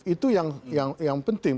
itu yang penting